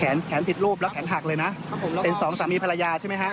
แขนแขนผิดรูปแล้วแขนหักเลยนะเป็นสองสามีภรรยาใช่ไหมฮะ